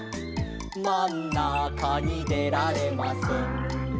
「まんなかにでられません」